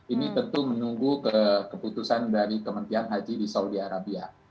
ini tentu menunggu keputusan dari kementerian haji di saudi arabia